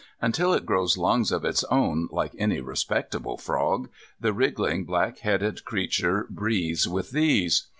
Until it grows lungs of its own, like any respectable frog, the wriggling, black headed creature breathes with these.